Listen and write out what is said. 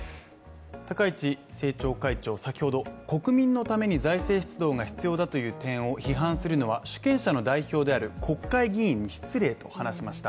高市政調会長先ほど国民のために財政出動が必要だという点を批判するのは、主権者の代表である国会議員に失礼と話しました。